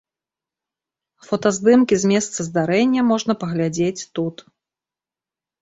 Фотаздымкі з месца здарэння можна паглядзець тут.